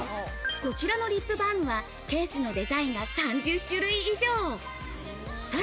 こちらのリップバームは、カバーのデザインが３０種類以上。